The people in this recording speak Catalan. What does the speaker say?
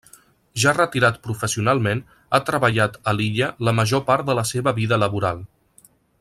Ja retirat professionalment, ha treballat a Lilla la major part de la seva vida laboral.